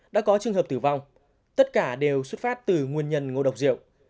đã có trường hợp tử vong tất cả đều xuất phát từ nguồn nhân ngộ độc rượu